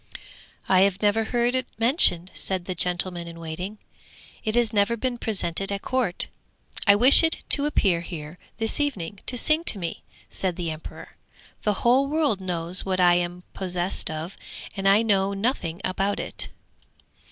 'I have never heard it mentioned,' said the gentleman in waiting. 'It has never been presented at court.' 'I wish it to appear here this evening to sing to me,' said the emperor. 'The whole world knows what I am possessed of, and I know nothing about it!'